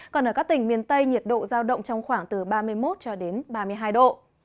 còn ở các tỉnh miền tây nhiệt độ giao động trong khoảng từ ba mươi một cho đến ba mươi hai độ